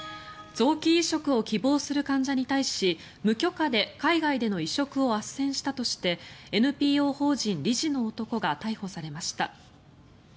臓器移植を希望する患者に対し無許可で海外での移植をあっせんしたとしてＮＰＯ法人理事の男が逮捕されました。